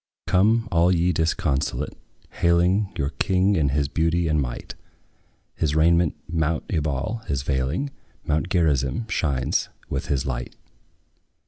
Come, all ye disconsolate, hailing Your King in his beauty and might; His raiment mount Ebal is veiling; Mount Gerizim shines with his light.